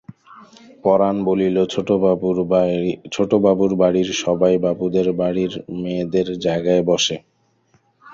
পরাণ বলিল, ছোটবাবুর বাড়ির সবাই বাবুদের বাড়ির মেয়েদের জায়গায় বসে।